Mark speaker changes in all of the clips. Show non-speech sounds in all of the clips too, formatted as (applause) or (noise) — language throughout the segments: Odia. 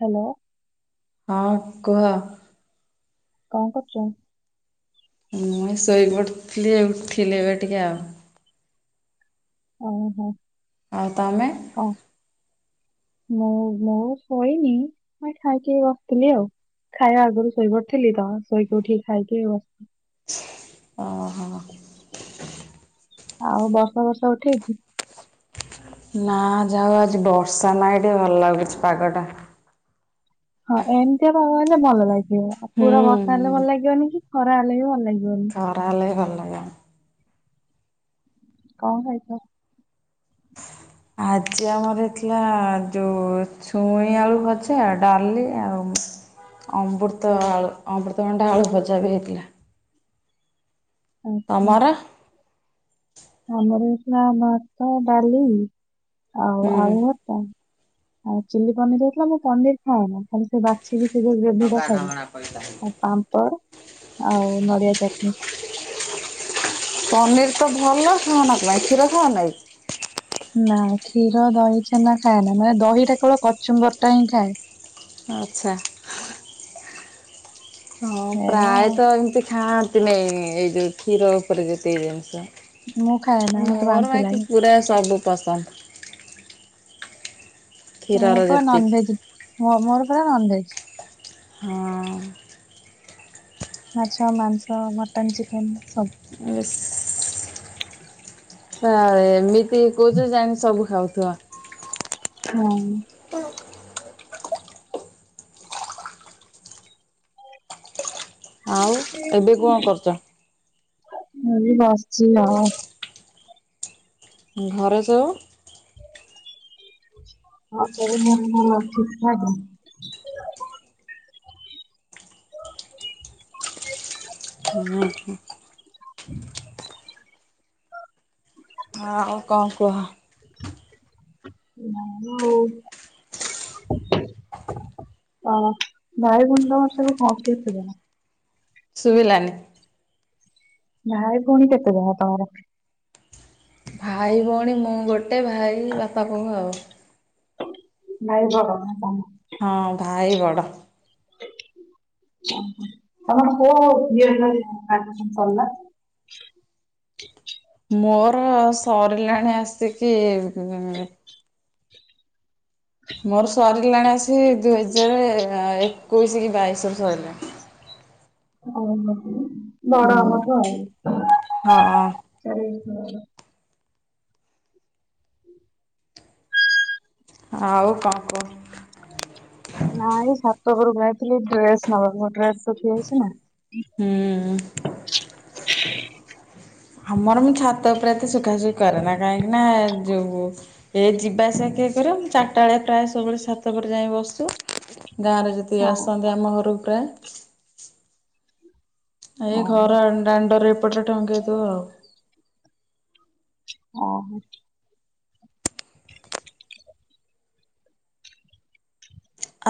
Speaker 1: ହ୍ୟାଲୋ।
Speaker 2: ହଁ କୁହ।
Speaker 1: କଣ କରୁଛ?
Speaker 2: ମୁଇଁ ଶୋଇ ପଡଥିଲି ଉଠିଲି ଏବେ ଟିକେ ଆଉ।
Speaker 1: ଓହୋ।
Speaker 2: ଆଉ ତମେ।
Speaker 1: କଣ? ମୁଁ ଶୋଇନି ମୁଇଁ ଖାଇକି ବସିଥିଲି ଆଉ ଖାଇବା ଆଗରୁ ଶୋଇପଡିଥିଲି ତ ଶୋଇକି ଉଠିକି ଖାଇକି ବସିଥିଲି।
Speaker 2: ଓହୋ।
Speaker 1: ଆଉ ବର୍ଷା ଫାର୍ସ ଉଠେଇଛି?
Speaker 2: ନା ଯାଉ ଆଜି ବର୍ଷା ନାହିଁ ଟିକେ ଭଲ ଲାଗୁଛି ପାଗ ଟା।
Speaker 1: ହଁ ଏମିତିଆାନଲେ ଭଲ ଲାଗେ। ଆଉ ପୁରା ବର୍ଷା ହେଲେ ଭଲ ଲାଗିବନି କି? ଖରା ହେଲେ ବି ଭଲ ଲାଗିବ।
Speaker 2: ଖରାହେଲେ ଭଲ (inaudible)
Speaker 1: କଣ ଖାଇଛ?
Speaker 2: ଆଜି ଆମର ହେଇଥିଲା ଯୋଉ ଛୁଇଁ ଆଳୁ ଭଜା, ଡାଲି ଆଉ ଅମୃତ ଆଳୁ ଅମୃତଭଣ୍ଡା ଆଳୁ ଭଜା ବି ହେଇଥିଲା।
Speaker 1: ଆଚ୍ଛା।
Speaker 2: ତମର?
Speaker 1: ଆମର ହେଇଥିଲା ଭାତ, ଡାଲି ଆଉ
Speaker 2: ହୁଁ।
Speaker 1: ଆଳୁ ଭର୍ତା, ଆଉ ଚିଲି ପନିର ହେଇଥିଲା ମୁଁ ପନିର ଖାଏନା ଖାଲି ସେ ବାଛିିକି। ଗ୍ରେଭି ଟା ଖାଇଲି ଆଉ ପାମ୍ପଡ଼। ଆଉ ନଡ଼ିଆ ଚଟନୀ।
Speaker 2: ପନିର ତ ଭଲ ଖାଅନା କଣ ପାଇଁ କ୍ଷୀର ଖାଉନ କାଇଁ।
Speaker 1: ନା କ୍ଷୀର ଦହି ଛେନା ଖାଏ ନା ମାନେ ଦହିଟା କେବଳ କଚୁମ୍ବରଟା ହିଁ ଖାଏ।
Speaker 2: ଆଚ୍ଛା। ହଁ
Speaker 1: ଏଇଆ ଆଉ
Speaker 2: ପ୍ରାୟତଃ ଏମିତି ଖାଆନ୍ତି। ନାଇଁ ଏଇଜୌ କ୍ଷୀର ଉପରେ ଯେତିକି
Speaker 1: ମୁଁ ଖାଏ ନା
Speaker 2: ଜିନିଷ।
Speaker 1: ମତେ
Speaker 2: ମୋର
Speaker 1: ବାନ୍ତି
Speaker 2: ବାକି
Speaker 1: ଲାଗେ
Speaker 2: ପୁରା ସବୁ। ପସନ୍ଦ। କ୍ଷୀର ର ଯେତିକି।
Speaker 1: ହଁ ମୋର ପୁରା ନନଭେଜ।
Speaker 2: ହଁ।
Speaker 1: ମାଛ, ମାଂସ, ମଟନ, ଚିକେନ ସବୁ
Speaker 2: ହଁ ଏମି ତି କହୁ ଯାଣି ସବୁ ଖାଉ (unintelligible)
Speaker 1: ହୁଁ।
Speaker 2: ଏବେ କଣ କରୁଛ।
Speaker 1: ଏଇ ବସିଛି ଆଉ।
Speaker 2: ଘର ସବୁ
Speaker 1: ହଁ (inaudible) ଭଲ ଠିକ ଠାକ
Speaker 2: ହୁଁ।
Speaker 1: (inaudible)
Speaker 2: ହଁ ଆଉ କଣ କୁହ।
Speaker 1: ଆଉ ଭାଇଗୁଣ୍ଡ ମାସକୁ। (inaudible)
Speaker 2: ସୁଭିଲାନି।
Speaker 1: ଭାଇ ଭଉଣୀ କେତେଜଣ ତମର।
Speaker 2: ଭାଇ ଭଉଣୀ ମୁଁ ଗୋ ଟେ ଭାଇ ବାପା ବୋଉ ଆଉ।
Speaker 1: ଭାଇ ବଡ଼ ନା କଣ।
Speaker 2: ହଁ ଭାଇ ବଡ।
Speaker 1: ତମର କୋଉ (inaudible) ସରିଲା।
Speaker 2: ମୋର ସରିଲାଣି ଆସିକି ମୋର ସରିଲାଣି ଆସି କି ଦୁଇ ହଜାର ଏ ଏକଉସୀ କି ବାଇଶି ହବ ସରିଲାଣି।
Speaker 1: ଓ ହୋ। ବଡ
Speaker 2: ହୁଁ।
Speaker 1: ଆମଠୁ ଆଉ
Speaker 2: ହଁ
Speaker 1: ଚାରି (unintelligible)
Speaker 2: ଆଉ କଣ କହ।
Speaker 1: ନାଇଁ ଛାତ ଉପରକୁ ଯାଇଥିଲି ଏଇ ଡ୍ରେସ ନବା କୁ ମୋ ଡ୍ରେସ ଶୁଖି ଯାଇଛି ନା।
Speaker 2: ହୁଁ।
Speaker 1: (inaudible)
Speaker 2: ଆମର ମୁଁ ଛାତ ଉପରେ ଏତେ ଶୁଖାଶୁଖି କରେ ନା କାହିଁକି ନା ଯୋଉ ଏ ଯିବା ଆସିବା କିଏ କରିବ ମୁ ଚାରିଟା ବେଳେ ପ୍ରାୟ ସବୁବେଳେ ଛାତ ଉପରେ ଯାଏ ବସୁ। ଗାଁରେ ଯେତିକି
Speaker 1: ହଁ
Speaker 2: ଆସନ୍ତି ଆମ ଘରୁକୁ ପ୍ରାୟ ଏ
Speaker 1: ହଁ
Speaker 2: ଘର ଆ- ଦାଣ୍ଡରେ ଏପଟ ରେ ଟଙ୍ଗେଇ ଦବ ଆଉ।
Speaker 1: ଓ ହଁ।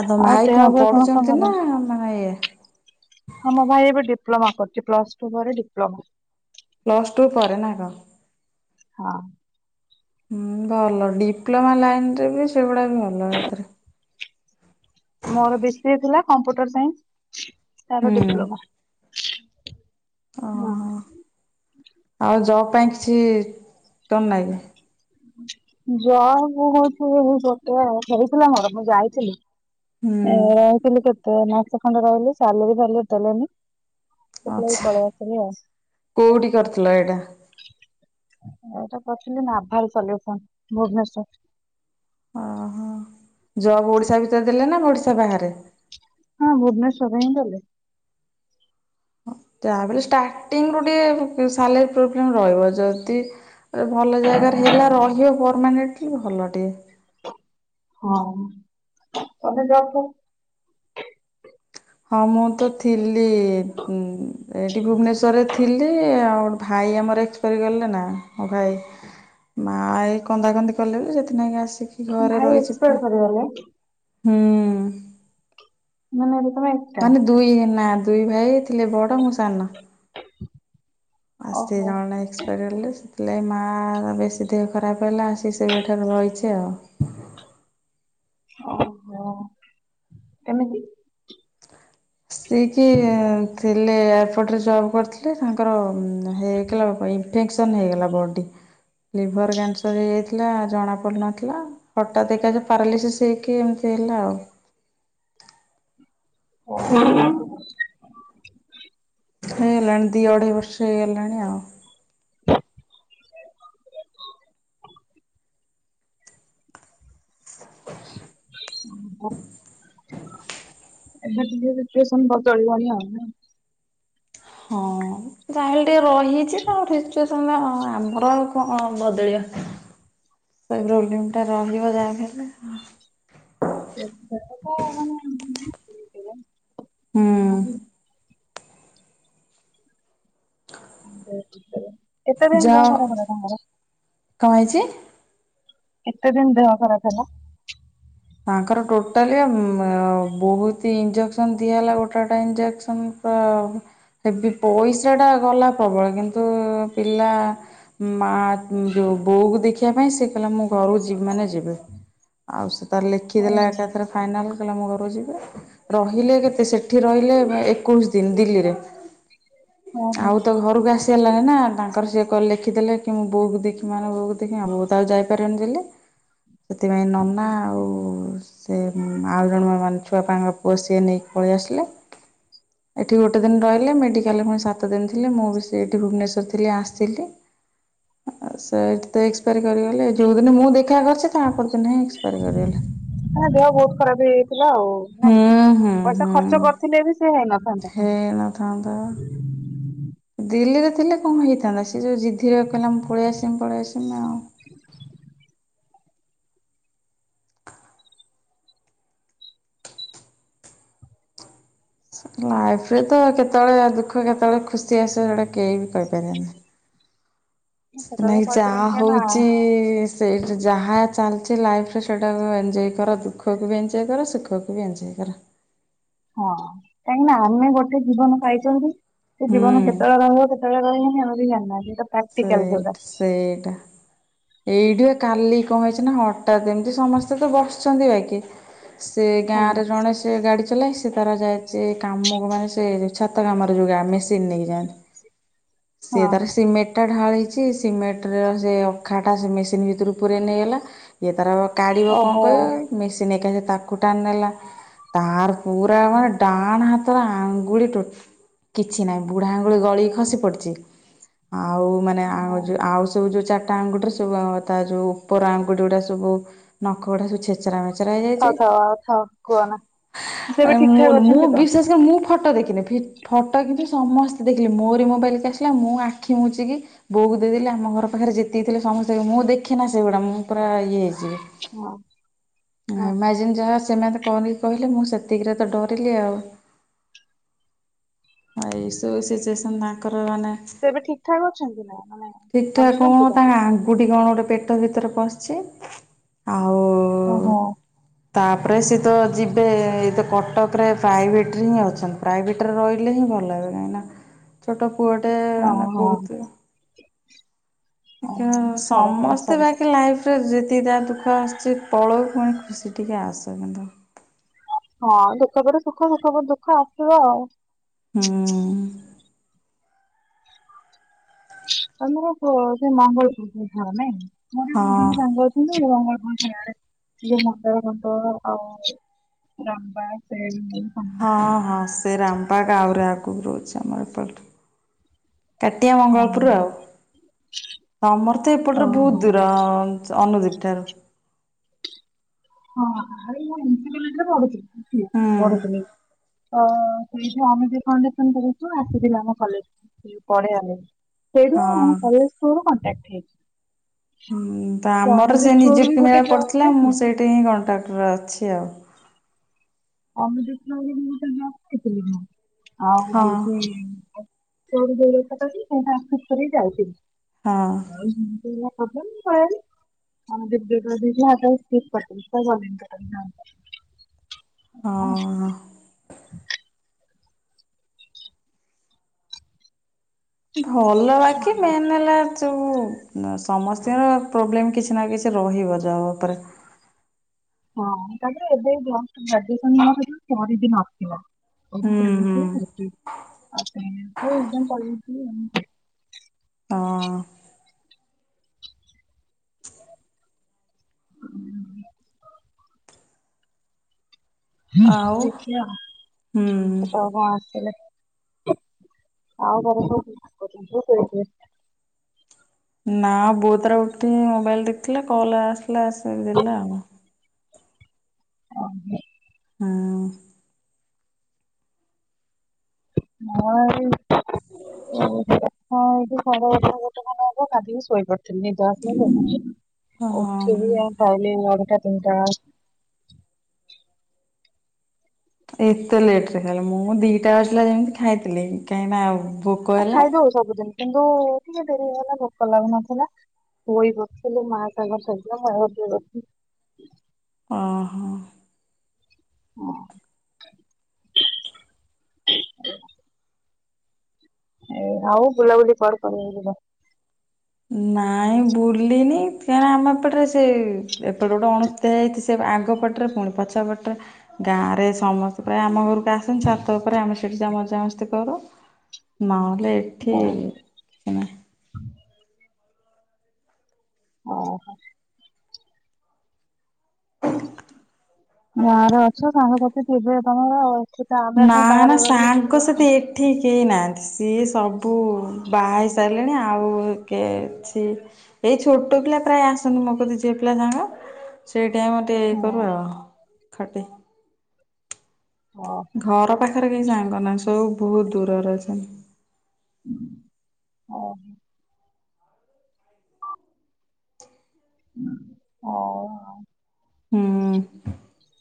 Speaker 2: ଆଉ ତମ ଭାଇ
Speaker 1: ଦେହ
Speaker 2: କଣ
Speaker 1: ଫେହ ସମସ୍ତଙ୍କ
Speaker 2: ପଢୁଛନ୍ତି
Speaker 1: ଭଲ?
Speaker 2: ନା ବାହା ହେଇ
Speaker 1: ହଁ ମୋ ଭାଇ ଏବେ ଡିପ୍ଲୋମା କରୁଛି ପ୍ଲସ ଟୁ ପରେ ଡିପ୍ଲୋମା
Speaker 2: ପ୍ଲସ ଟୁ ପରେ ନା କଣ।
Speaker 1: ହଁ।
Speaker 2: ହୁଁ ଭଲ ଡିପ୍ଲୋମା ଲାଇନରେ ବି ସେଗୁଡା ବି ଭଲ ଏଥିରେ।
Speaker 1: ମୋର ବି ସି ଥିଲା କମ୍ପ୍ୟୁଟର ସାଇନ୍ସ। ତାର
Speaker 2: ହୁଁ।
Speaker 1: ଡିପ୍ଲୋମା। ହଁ।
Speaker 2: ଓହୋ ଆଉ ଯବ୍ ପାଇଁ କିଛି ତମ୍ ନାଗି
Speaker 1: ଜବ୍ ମୁଁ ହଉଛି ଗୋଟେ ହେଇଥିଲା ମୋର ମୁଁ ଯାଇଥିଲି
Speaker 2: ହୁଁ
Speaker 1: ଆ ସବୁ କେ ତ ମାସେ ଖଣ୍ଡେ ରହିଲି ସାଲିରି ଫାଲିରି ଦେଲେନି ସେଥିଲାଗି
Speaker 2: ଆଛା
Speaker 1: ପଳେଇ ଆସିଲି ଆଉ।
Speaker 2: କୋଉଠି କରିଥିଲ ଏଇଟା?
Speaker 1: ଏଇଟା କରିଥିଲି ନାଭାଲ୍ ସଲ୍ୟୁସନ ଭୁବନେଶ୍ଵର।
Speaker 2: ଓହୋ ଜବ୍ ଓଡିଶା ଭିତରେ ଦେଲେ ନା ଓଡିଶା ବାହାରେ।
Speaker 1: ହଁ ଭୁବନେଶ୍ଵରରେ ହିଁ ଦେଲେ।
Speaker 2: ଯାହା ବଲେ ଷ୍ଟାର୍ଟିଂରୁୁ ଟିକେ ସାଲରୀ ପ୍ରୋବ୍ଲେମ ରହିବ ଯଦି ଭଲ ଜାଗାରେ ହେଲା ରହିବ ପରମାନେେଣ୍ଟଲି ଭଲ ଟିକେ।
Speaker 1: ହଁ ତମେ ଯାଉଛ
Speaker 2: ହଁ ମୁଁ ତ ଥିଲି ଇ-ମ୍ ଏଇଠି ଭୁବନେଶ୍ଵରରେ ଥିଲି ଆଉ ଗୋଟେ ଭାଇ ଆମର ଏକ୍ସପାରି ଗଲେ ନା ମୋ ଭାଇ ମା ଏଇ କନ୍ଦାକନ୍ଦି କଲେ ବୋଲି ସେଥିନାଗି ଆସ
Speaker 1: ଭାଇ ଏକ୍ସପାଡ୍ କରିଗଲେ।
Speaker 2: ହୁଁ।
Speaker 1: ମାନେ ତମେ ଏକା।
Speaker 2: ମାନେ ଦୁଇ ନା ଦୁଇ ଭାଇ ଥିଲେ ବଡ଼ ମୁଁ ସାନ। ଆସେ
Speaker 1: ଓହୋ
Speaker 2: ଜଣ ଏକ୍ସପାରି ହେଲେ ସେଥିଲାଗ ମା ବେଶୀ ଦେହ ଖରାପ ହେଲା ଆସି ସେବେ ଠାରୁ ରହିଛେ ଆଉ।
Speaker 1: ଓହୋ କେମିତି?
Speaker 2: ସିକି ଥିଲେ ଏୟାରପୋର୍ଟରେ ଜବ୍ କରିଥିଲେ ତାଙ୍କର ହେଇଗଲା ଇନଫେକ୍ସନ ହେଇଗଲା ବଡି ଲିଭର କ୍ୟାନସର ହେଇଯାଇଥିଲା ଜଣାପଡ଼ୁନଥିଲା ହଠାତ୍ ଏକା ପାରାଲିସିସ୍ ହେଇକି ଏମିତି ହେଲା ଆଉ।
Speaker 1: ହୁଁ।
Speaker 2: ହେଇଗଲାଣି ଦି ଅଢେଇ ବର୍ଷ ହେଇଗଲାଣି ଆଉ।
Speaker 1: (inaudible) ଏବେ ତ ଇମ୍ପ୍ରେଶନ ବଦଳିବନି ଆଉ।
Speaker 2: ହଁ ଯାହେଲେ ଟିକେ ରହିଛି ତା ଫ୍ୟୁଚର୍ ଆମର ଆଉ କଣ ବଦଳିବ ସେଇ ପ୍ରୋବେଲମ ଟା ରହିବ ଯାହାବି ହେଲେ ।
Speaker 1: ଆ ସେ ତ ମାନେ
Speaker 2: ହୁଁ
Speaker 1: (inaudible) (unintelligible) ଏତେ ଦିନ ଦେହ ଖରାପ ହେଲା ତାଙ୍କର।
Speaker 2: କଁ ହେଇଛି?
Speaker 1: କେତେ ଦିନ ଦେହ ଖରାପ ହେଲା?
Speaker 2: ତାଙ୍କର ଟୋଟାଲି ବହୁତ ଇଞ୍ଜେକ୍ସନ ଦିଆ ହେଲା ଗୋଟାଟା ଇଞ୍ଜେକ୍ସନ ହେବ ପଇସା ଟା ଗଲା ପ୍ରବଳ କିନ୍ତୁ ପିଲା ମା ଯୋଉ ବୋଉକୁ ଦେଖିବା ପାଇଁ ସେ କହିଲା ମୁଁ ଘରକୁ ଯ ମାନେ ଯିବେ ଆଉ ସେ ତାର ଲେଖିଦେଲା
Speaker 1: ଓହୋ
Speaker 2: ଏକାଥରେ ଫାଇନାଲ୍ (unintelligible) ଆମ ଘ ଯିବେ ରହିଲେ କେତେ ସେଠି ରହିଲେ ଏକୋଇଶ ଦିନ ଦିଲ୍ଲୀରେ।
Speaker 1: ଓହୋ
Speaker 2: ଆଉ ତା ଘରକୁ ଆସି ସେ ହେଲାଣି ନା ତାଙ୍କର ସିଏ କ ଲେଖିଦେଲେ କି ମୁଁ ବୋଉକୁ ଦେଖି ମାନେ ବୋଉକୁ ଦେଖି ଆ ବୋତ ଆଉ ଯାଇପାରିବନି ସେଥିପାଇଁ ନନା ଆଉ ସେ ଆଉ ଜଣ ମାନେ ଛୁଆପାଙ୍କ ପୁଅ ସିଏ ନେଇକି ପଳେଇ ଆସିଲା ଏଠି ଗୋଟେ ଦିନ ରହିଲେ ମେଡ଼ିକାଲରେ ପୁଣି ସାତ ଦିନ ଥିଲେି ମୁଁ ବି ସେ ଏଠି ଭୁବନେଶ୍ୱର ଥିଲି ଆସିଥିଲି ସେ ତ ଏକ୍ସପାୟାରୀ କରିଗଲେ ଯେଉ ଦିନ ମୁଁଦେ ତା ପର ଦିନ ହିଁ ଏକ୍ସ୍ପରି କରିଗଲେ।
Speaker 1: ଦେହ ବହୁତ ଖରାପ ହେଇଯାଇଛି।
Speaker 2: ହୁଁ ହୁଁ ହୁଁ
Speaker 1: କରିଥିଲେ ବି ସେ ହେଇନଥାନ୍ତା।
Speaker 2: ହେଇନଥାନ୍ତା ଦିଲ୍ଲୀରେ ଥିଲେ କଣ ହେଇଥାନ୍ତା, ସିଏ ଯୋଉ ଜିଦ୍ଦିରେ କହିଲା ମୁଁ ପଳେଇ ଆସିମି ପଳେଇ ଆସିମି ଆଉ। ଲାଇଫରେ ତ କେତେବେଳେ ଦୁଃଖ କେତେବେଳେ ଖୁସି ଆସେ ସେଟା କେହି ବି
Speaker 1: ସେଟା
Speaker 2: କହିପାରିବନି।
Speaker 1: ତ
Speaker 2: ନାଇକି ଚା
Speaker 1: କହିପାରିବାନି କାହିଁକି ନା
Speaker 2: ହଉଚି। ସେଇଠା ଯାହା ଚାଲିଛି ଲାଇଫରେ ସେଇଟାକୁ ଏଞ୍ଜୟ୍ କର ଦୁଃଖକୁ ବି ଏନ୍ଜୟ କର ସୁଖକୁ ବି ଏନ୍ଜୟ କର।
Speaker 1: ହଁ କାହିଁକି ନା ଆମେ ଗୋଟେ ଜୀବନ ପାଇାଇଛନ୍ତି। ସେ ଜୀବନ
Speaker 2: ସେଇ
Speaker 1: କେତେବେଳେ ରହିବ କେତେବେଳେ ରହିବନି। କେହି ଜାଣିନାହାନ୍ତି। ପ୍ରକ୍ଟିକଲ ଯୋଉଟା।
Speaker 2: ଏଇଠୁ ଏ କାଲି କଣ ହେଇଛି ନା ହ ଯେମିତି ସମସ୍ତେ ତ ବସ ଆଛନ୍ତି ବାକିି ସେ
Speaker 1: ହଁ
Speaker 2: ଗାଁରେ ଜଣେ ସେ ଗାଡି ସେ ତାର ଯାଇଛି କାମ ମାନେ ସେ ଛାତ କାମ ଯା ମେସିନ ନେଇକି ଯାଆନ୍ତି।
Speaker 1: ହଁ
Speaker 2: ସିଏ ତାର ସିମେଣ୍ଟ ଢାଳ ହେଇଛି ସିମେଣ୍ଟ ର ସେ ଅଖାଟା ସେ ମେସିନ୍ ଭିତରୁକୁ ପୁର ନେଇଗଲା। ଏ ତାର କାଢିବ କଣ
Speaker 1: ଓହୋ
Speaker 2: କହିବ ମେସିନ୍ ଏକା ତାକୁ ଟାଣ ନେଲା ତା ପୁର
Speaker 1: ଓହୋ
Speaker 2: ଡାଣ ହା ତର ଆଙ୍ଗୁଳି କିଛି ନାହିଁ ବୁଢା ଆଙ୍ଗୁଳି ଗଳି ଖସି ପଡିଛି। ଆଉ ମାନେ
Speaker 1: ଓହୋ
Speaker 2: ଯୋଉ ଆଉ ସବୁ ଯୋଉ ଚା ଆଙ୍ଗୁଠରେ ସବୁ ତା ଯୋଉ ଉପର ଆଙ୍ଗୁଠ ଗୁଡା ସବୁ ନଖ ଗୁଡା ସବୁ ଛେଚରା। ଛେଚରା ହେଇଯାଇଛି,
Speaker 1: ଥାଉ ଥାଉ ଆଉ ଥାଉ କୁହନା। ସେ ଏବେ ଠିକ ଠାକ
Speaker 2: ମୁଁ
Speaker 1: ଅଛନ୍ତି ତ?
Speaker 2: ବି ଫଟୋ ଦେଖିନି ଫଟୋ କିନ୍ତୁ ସମସ୍ତେ ଦେଖିଲେ ମୋରି ମୋବାଇଲକୁ ଆସିଲା ମୁଁ ଆ ଆଖି ମୁଉଛି କି ବୋଉକୁ ଦେଇଦେଲି ଆମ ଘର ପାଖରେ ଯେତିକ ଥିଲେ ସମସ୍ତେ ଦେ ମୁଁ ଦେଖେନା ସେଗୁରା ମୁଁ ପୁରା ଇଏ ହେଇଛି।
Speaker 1: ହଁ ହଁ
Speaker 2: ଇମାଜିନ ଯାହା ସେମାନେ କଣ କହିଲେ ମୁଁ ସେତିକିରେ ତ ଡରିଲି ଆଉ। ଏଇସୁ ସିଚୁଏସନ୍ ତାଙ୍କର ମାନେ
Speaker 1: ସେ ଏବେ ଠିକ ଠକ ଅଛନ୍ତି ନା ମାନେ
Speaker 2: ଠିକ୍ ଠାକ୍ କଣ
Speaker 1: ବଞ୍ଚୁଛନ୍ତି ତ?
Speaker 2: ତାଙ୍କ କଣ ଆଙ୍ଗୁଠି ଗୋଟେ ପେଟ ଭିତରେ ପଶିଚି ଆଉ
Speaker 1: ଓହୋ।
Speaker 2: ତାପ ତାପରେ ସେ ତ ଯିବେ ଏଇ ତ କଟକରେ ପ୍ରାଇଭେଟରେ ହିଁ ଅଛନ୍ତି ପ୍ରାଇଭେଟରେ ରହି ଲେ ହିଁ ଭଲ ହେ କାହିଁକିନା ଛୋଟ ପୁଅଟେ
Speaker 1: ହଁ
Speaker 2: ମାନେ
Speaker 1: ହଁ
Speaker 2: ବହୁତ
Speaker 1: ଓହୋ ଛାଡ ଛାଡ
Speaker 2: ସମସ୍ତେ
Speaker 1: ଛାଡ।
Speaker 2: ବାକି ଲାଇଫରେ ଅତି ତା ଦୁଃଖ ଆସୁଛି ପଳଉ ପୁଣି ଖୁସି ଟିକେ ଆଶୁ କିନ୍ତୁ।
Speaker 1: ହଁ ଦୁଃଖ ରେ ସୁଖ ସୁଖ ପରେ ଦୁଃଖ ଆସିବ ଆଉ।
Speaker 2: ହୁଁ।
Speaker 1: ତମର ସେ ମଙ୍ଗଳପୁରୁ ଘର ନାଇ। ମୋର
Speaker 2: ହଁ
Speaker 1: ବହୁତ ଜଣ ସାଙ୍ଗ ଅଛନ୍ତି। ମଙ୍ଗଳପୁରୁ ଯ ମଣ୍ଡଳ ରଙ୍ଗ ଆଉ ଲମ୍ବା ସେ
Speaker 2: ହଁ
Speaker 1: ସମସ୍ତେ।
Speaker 2: ହଁ ସେ ରାମ୍ପାକା ଆହୁରି ଆଗକୁ ରହୁଛି। ଆମର ଏପଟ କାଟିଆ ମଙ୍ଗଳପୁର ଆଉ ତମର ତ ଏପଟରେ
Speaker 1: ଓହୋ
Speaker 2: ବହୁତ ଦୂର ଅନୁଦିକ ଠାରୁ
Speaker 1: ହଁ ଆଉ (unintelligible) ରେ ପଢୁଛି
Speaker 2: ହୁଁ
Speaker 1: (unintelligible) ତ (unintelligible) କରଛୁ ଆସ ଆମ କଲେଜ ପଢେଇବା ପାଇଁ। ସେଇଠୁ ଆମ କଲେଜକୁ ଥ୍ରୋ
Speaker 2: ହଁ।
Speaker 1: ରୁ କଣ୍ଟାଣ୍ଟ । ଠିକ
Speaker 2: ହୁଁ ତ ଆମର ସେ
Speaker 1: ଥ୍ରୋରୁ ବି
Speaker 2: ନିଯୁକ୍ତି
Speaker 1: ଗୋଟେ
Speaker 2: ମେଳା
Speaker 1: ଜବ୍
Speaker 2: ପଡିଥିଲା ମୁଁ
Speaker 1: ପାଇଥିଲି
Speaker 2: ସେଇଠି ହିଁ କଣ୍ଟାଟ ଟ ଅଛି ଆଉ।
Speaker 1: ଆମ ନା ଜି (unintelligible) (unintelligible) ସବୁ ତ ମୁ ଯାଉଥିଲି
Speaker 2: ହଁ
Speaker 1: (unintelligible)
Speaker 2: ହଁ
Speaker 1: ଆ (unintelligible) (unintelligible)
Speaker 2: ହ ଆଁ। ଭଲ ବାକି ମେନ୍ ହେଲା ଯୋଉ ସମସ୍ତିଙ୍କର ପ୍ରୋବ୍ଲେମ କିଛି ନା କିଛି ରହିବ ଜବ ଉପରେ।
Speaker 1: ହଁ ତାପରେ ଏବେ ଜଷ୍ଟ୍ ଗ୍ରାଜୁଏସନ ସରିଚି ମାସେ ହବ। କଣ
Speaker 2: ହୁଁ ହୁଁ
Speaker 1: ଚାଲିଥିଲା? ହୁଁ ହୁଁ ହଉ ମୁଁ କହିଦେଇଥିବି ଆଉ।
Speaker 2: ହଁ
Speaker 1: ହୁଁ।
Speaker 2: ଆଉ
Speaker 1: ଦେଖିଆ
Speaker 2: ହୁଁ।
Speaker 1: କେତେବେଳେ କଣ ଆସିଲେ? ଆଉ ଘରେ ସବୁ (unintelligible)
Speaker 2: ନା ବୋଉ ତାର ଉଠିକି ମୋବାଇଲ ଦେଖୁଥିଲା କଲ ଆସିଲା ଆସିକି ଦେଲା ଆଉ।
Speaker 1: (inaudible)
Speaker 2: ହଁ।
Speaker 1: ମୋର (inaudible) ହଁ ଏଇଠି ସାଢ଼େ ଗୋଟେ ଗୋଟେ ଖଣ୍ଡେ ହବ ଗାଧେଇକି ଶୋଇ ପଡିଥିଲି ନିଦ ଆସିଲା
Speaker 2: ହୁଁ
Speaker 1: ତ ଉଠିକି
Speaker 2: ହଁ।
Speaker 1: ଆଉ ଖାଇଲି ନଅଟା ତିନିଟା ବେଳେ
Speaker 2: ଏତେ ଲେଟ ରେ ଖାଇଲ। ମୁଁ ଦିଟା ଆସିଲା ଯେମିତି ଖାଇଥିଲି କାହିଁକି ନା ଆଉ
Speaker 1: ଆ ଖାଇଦଉ ସବୁଦିନ କିନ୍ତୁ ଟିକେ ଡେରି ହେଇଗଲା ଭୋକ ଲାଗୁନଥିଲା। ପୋଇ କରିଥିଲୁ, ମା ତାଙ୍କର ଶାଗ ଆଉ ଯୋଉ ଛୁଇଁ
Speaker 2: ଓହୋ।
Speaker 1: ହଁ। ଏ ଆଉ ବୁଲାବୁଲି କୁଆଡ଼େ କରିଆକୁ ଯିବ?
Speaker 2: ନାଇଁ ବୁଲିନି କାରଣ ଆମ ଏପଟରେ ସେ ଏପଟେ ଗୋଟେ ଅଣସୁଦିଆ ହେଇଯାଇଛି ସେ ଆଗ ପଟରେ ପୁଣି ପଛ ପଟରେ। ଗାଁରେ ସମସ୍ତେ ପ୍ରାୟ ଆମ ଘରକୁ ଆସନ୍ତି ଛାତ ପରେ ଆମେ ସେଠି ମଜା ମସ୍ତି କରୁ। ମା ହେଲେ ଏଠି
Speaker 1: ଆଉ
Speaker 2: ସେମାନେ
Speaker 1: ଓହୋ। ଗାଁରେ ଅଛ ସାଙ୍ଗସାଥି ଥିବେ ତମର ଆଉ। ଏଠି ତ ଆମେ
Speaker 2: ନା ନା
Speaker 1: ବାହାରେ ରହିଲେ ତ କେହି
Speaker 2: ସାଙ୍ଗସାଥି ଏଠି କେହି ନାହାନ୍ତି ସିଏ ସବୁ ବାହା ହେଇ ସାରିଲେଣି ଆଉ କିଏ ଅଛି ଏଇ ଛୋଟ ପିଲା ପ୍ରାୟ ଆସନ୍ତି ମୋ କତିକି ଝିଅ ପିଲା ସାଙ୍ଗ ସେ ଇ ଆମର ଟିକେ ଇଏ
Speaker 1: ହଁ
Speaker 2: କରୁ ଆଉ। ଖଟେ।
Speaker 1: ଓହୋ
Speaker 2: ଘର ପାଖ ପାଖରେ କେହି ସାଙ୍ଗ ନାହାଁନ୍ତି ସବୁ ବହୁତ ଦୂରରେ ଅଛନ୍ତି।
Speaker 1: ଓ ହୁଁ ହଉ ଆଉ।
Speaker 2: ହୁଁ।